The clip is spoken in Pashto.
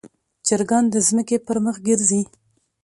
چرګان د ځمکې پر مخ ګرځي.